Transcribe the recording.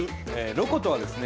「ロコ」とはですね